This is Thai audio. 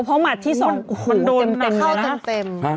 เพราะหมัดที่ขั้นเข้าเต็ม